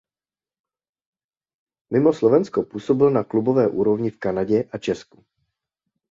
Mimo Slovensko působil na klubové úrovni v Kanadě a Česku.